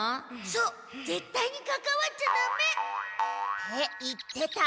そうぜったいにかかわっちゃダメ。って言ってた。